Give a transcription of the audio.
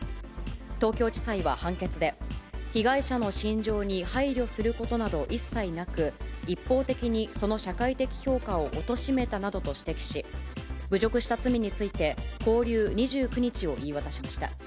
東京地裁は判決で、被害者の心情に配慮することなど一切なく、一方的にその社会的評価をおとしめたなどと指摘し、侮辱した罪について、拘留２９日を言い渡しました。